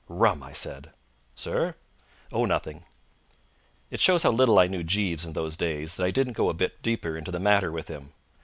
_ "Rum!" I said. "Sir?" "Oh, nothing!" It shows how little I knew Jeeves in those days that I didn't go a bit deeper into the matter with him.